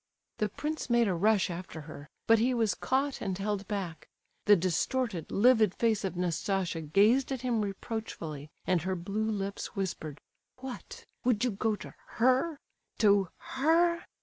The prince made a rush after her, but he was caught and held back. The distorted, livid face of Nastasia gazed at him reproachfully, and her blue lips whispered: "What? Would you go to her—to her?"